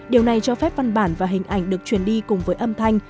điều này cho phép văn bản và hình ảnh được truyền đi cùng với âm thanh